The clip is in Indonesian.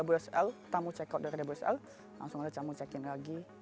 bosl tamu check out dari wsl langsung ada tamu check in lagi